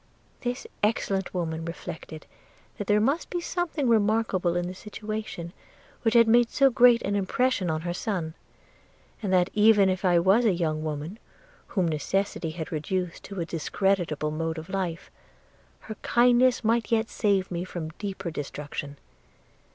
'This excellent woman reflected, that there must be something remarkable in the situation which had made so great an impression on her son; and that even if I was a young woman whom necessity had reduced to a discreditable mode of life, her kindness might yet save me from deeper destruction.